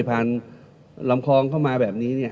ผ่านลำคลองเข้ามาแบบนี้เนี่ย